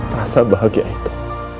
rasa bahagia itu